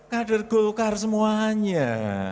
kader gokar semuanya